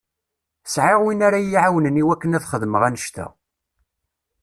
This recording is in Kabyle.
Sɛiɣ win ara yi-iɛawnen i wakken ad xedmeɣ annect-a.